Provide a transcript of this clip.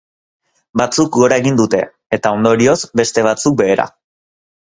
Batzuk gora egin dute, eta ondorioz, beste batzuk behera.